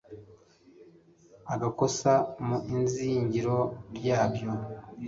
agakosa mu izingiro ryabyo